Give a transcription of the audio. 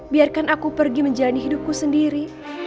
biarkan aku pergi menjalani hidupku sendiri